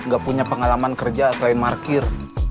gak punya pengalaman kerja selain markir